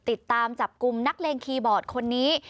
ติดตามจับกลุ่มนักเลงคีย์บอร์ดคนนี้